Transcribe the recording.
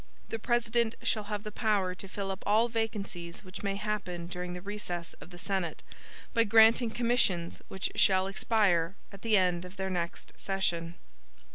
The President shall have power to fill up all vacancies which may happen during the recess of the Senate, by granting commissions which shall expire at the end of their next session."